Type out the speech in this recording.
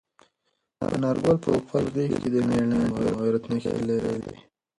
انارګل په خپل غږ کې د میړانې او غیرت نښې لرلې.